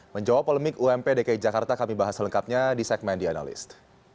menjawab polemik ump dki jakarta kami bahas selengkapnya di segmen the analyst